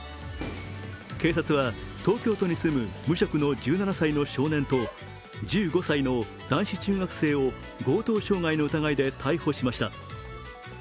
警察は東京都に住む無職の１７歳の少年と１５歳の男子中学生を強盗傷害の疑いで逮捕しました。